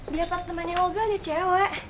di apartemennya olga ada cewek